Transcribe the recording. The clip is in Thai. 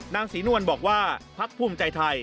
นางศรีนวลบอกว่าพักภูมิใจไทย